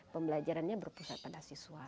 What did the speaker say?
pembelajarannya berpusat pada siswa